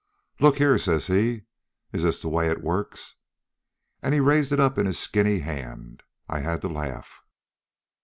"'Look here,' says he, 'is this the way it works?' "And he raises it up in his skinny hand. I had to laugh.